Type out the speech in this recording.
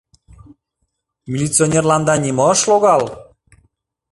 Милиционерланда нимо ыш логал?